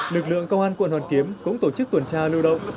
lực lượng công an quận hoàn kiếm cũng tổ chức tuần tra lưu động